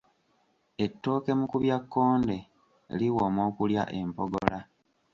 Ettooke Mukubyakkonde liwooma okulya empogola.